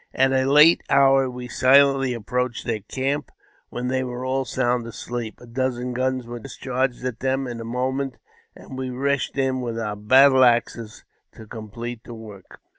I At a late hour we silently approached their camp when they •were all sound asleep ; a dozen guns were discharged at them jin a moment, and we rushed in with our battle axes to com plete the work.